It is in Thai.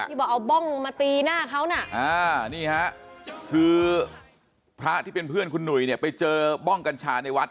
บอกเอาบ้องมาตีหน้าเขาน่ะอ่านี่ฮะคือพระที่เป็นเพื่อนคุณหนุ่ยเนี่ยไปเจอบ้องกัญชาในวัด